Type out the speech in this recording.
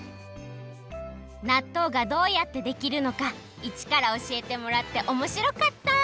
なっとうがどうやってできるのかいちからおしえてもらっておもしろかった！